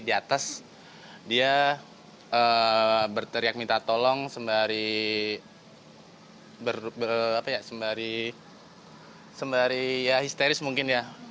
di atas dia berteriak minta tolong sembari ya histeris mungkin ya